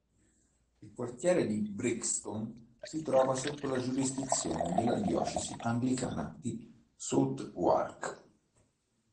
Il quartiere di Brixton si trova sotto la giurisdizione della diocesi anglicana di Southwark.